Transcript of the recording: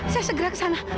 saya segera ke sana